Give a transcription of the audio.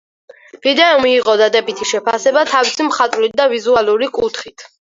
ვიდეომ მიიღო დადებითი შეფასება თავისი მხატვრული და ვიზუალური კუთხით.